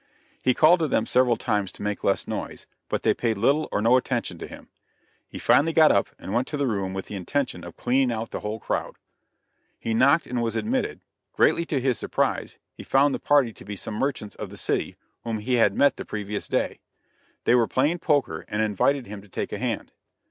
He called to them several times to make less noise, but they paid little or no attention to him. He finally got up and went to the room with the intention of cleaning out the whole crowd. He knocked and was admitted; greatly to his surprise, he found the party to be some merchants of the city, whom he had met the previous day. They were playing poker, and invited him to take a hand.